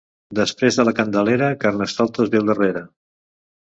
Després de la Candelera, Carnestoltes ve al darrere.